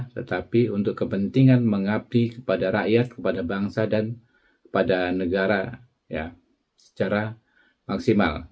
tetapi untuk kepentingan mengabdi kepada rakyat kepada bangsa dan kepada negara secara maksimal